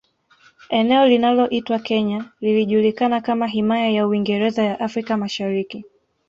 Eneo linaloitwa Kenya lilijulikana kama Himaya ya Uingereza ya Afrika Mashariki